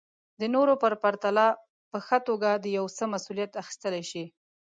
د نورو په پرتله په ښه توګه د يو څه مسوليت اخيستلی شي.